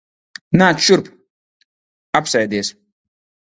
Nāc šurp. Apsēdies.